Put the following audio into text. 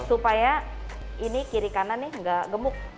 supaya ini kiri kanan nih nggak gemuk